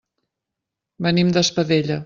Venim d'Espadella.